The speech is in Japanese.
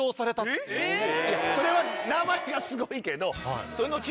いやそれは名前がすごいけど。